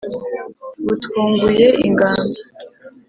butwunguye inganzo.